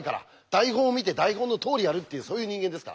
台本を見て台本のとおりやるってそういう人間ですから。